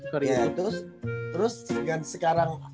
terus terus kan sekarang clay nya juga lagi